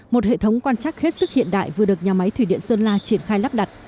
một hệ thống quan chắc hết sức hiện đại vừa được nhà máy thủy điện sơn la triển khai lắp đặt